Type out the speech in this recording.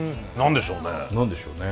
何でしょうね。